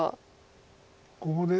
ここで。